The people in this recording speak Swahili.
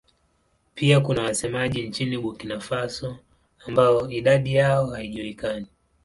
Pia kuna wasemaji nchini Burkina Faso ambao idadi yao haijulikani.